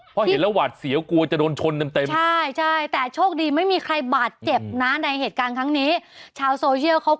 เพราะเห็นแล้วหวัดเสียกลัวจะโดนชนเต็มใช่แต่โชคดีไม่มีใครบาดเจ็บนะในเหตุการณ์ครั้งนี้